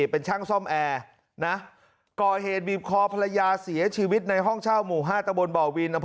เป็นช่างซ่อมแอร์นะก่อเหตุบีบคอภรรยาเสียชีวิตในห้องเช่าหมู่๕ตะบนบ่อวิน